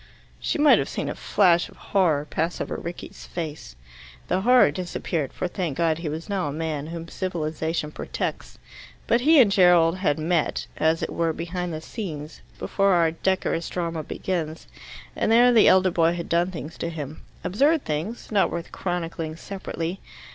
She might have seen a flash of horror pass over Rickie's face. The horror disappeared, for, thank God, he was now a man, whom civilization protects. But he and Gerald had met, as it were, behind the scenes, before our decorous drama opens, and there the elder boy had done things to him absurd things, not worth chronicling separately.